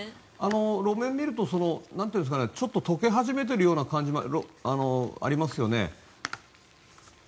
路面を見るとちょっと解け始めている感じもありますよね。